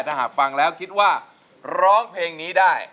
ถ้าหากฟังแล้วคิดว่าร้องเพลงนี้ได้